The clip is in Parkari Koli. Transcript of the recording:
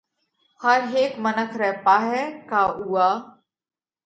هر هيڪ منک رئہ پاهئہ ڪا اُوئا